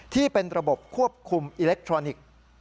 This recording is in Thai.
ที่เป็นระบบควบคุมอิเล็กทรอนิกส์